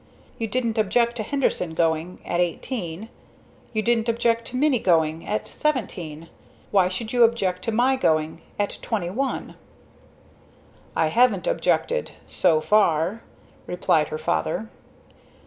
You didn't object to Henderson's going at eighteen. You didn't object to Minnie's going at seventeen. Why should you object to my going at twenty one." "I haven't objected so far," replied her father.